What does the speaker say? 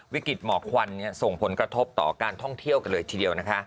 วิกฤตหมอกควันส่งผลกระทบต่อการท่องเที่ยวกันเลยทีเดียว